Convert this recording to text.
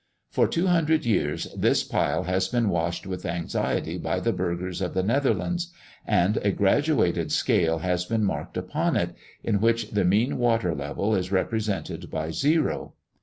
For 200 years this pile has been watched with anxiety by the burghers of the Netherlands, and a graduated scale has been marked upon it, in which the mean water level is represented by zero.